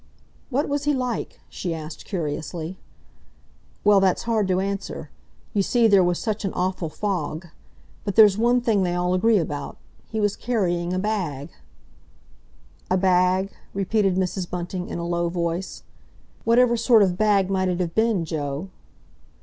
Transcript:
"What was he like?" she asked curiously. "Well, that's hard to answer. You see, there was such an awful fog. But there's one thing they all agree about. He was carrying a bag—" "A bag?" repeated Mrs. Bunting, in a low voice. "Whatever sort of bag might it have been, Joe?"